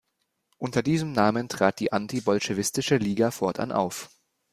Unter diesem Namen trat die Antibolschewistische Liga fortan auf.